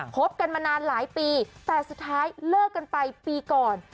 บกันมานานหลายปีแต่สุดท้ายเลิกกันไปปีก่อน